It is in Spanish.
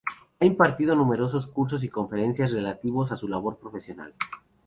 Ha impartido numerosos cursos y conferencias relativos a su labor profesional.